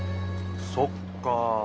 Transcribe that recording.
そっか。